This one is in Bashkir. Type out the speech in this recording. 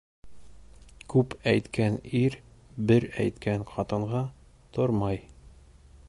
Күп әйткән ир бер әйткән ҡатынға тормай.